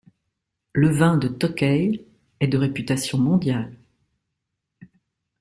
Le vin de Tokay est de réputation mondiale.